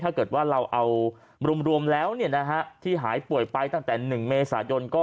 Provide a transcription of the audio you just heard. ถ้าเกิดว่าเราเอารวมแล้วที่หายป่วยไปตั้งแต่๑เมษายน